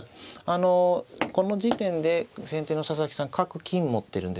あのこの時点で先手の佐々木さん角金持ってるんですね。